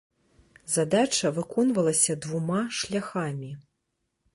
Задача выконвалася двума шляхамі.